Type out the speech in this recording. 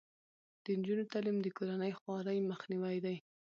د نجونو تعلیم د کورنۍ خوارۍ مخنیوی دی.